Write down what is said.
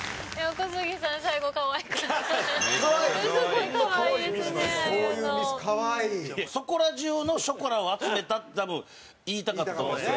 小杉：そこら中のショコラを集めたって多分、言いたかったと思うんですけど